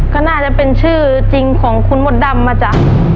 ก็น่าจะเป็นชื่อจริงของคุณมดดำอ่ะจ๊ะ